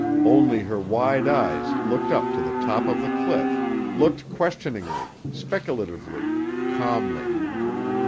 Only her wide eyes looked up to the top of the cliff, looked questioningly, speculatively, calmly.